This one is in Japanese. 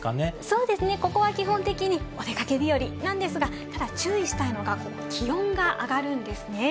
そうですね、ここは基本的にお出かけ日和なんですが、ただ注意したいのが気温が上がるんですね。